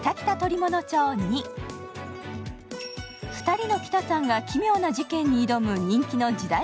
２人のきたさんが奇妙な事件に挑む人気の時代